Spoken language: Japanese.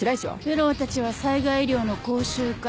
フェローたちは災害医療の講習会。